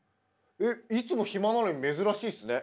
えいつも暇なのに珍しいっすね。